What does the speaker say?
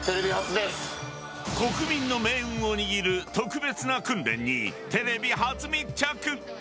国民の命運を握る特別な訓練にテレビ初密着。